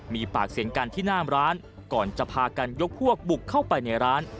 มีปากเสียงกันที่หน้าร้านก่อนจะพากันยกพวกบุกเข้าไปในร้าน